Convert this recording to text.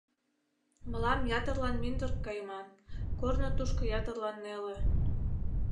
— Мылам ятырлан мӱндырк кайыман… корно тушко ятырлан неле…